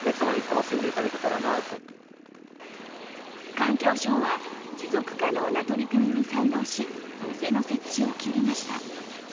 環境省は持続可能な取り組みに賛同し、店の設置を決めました。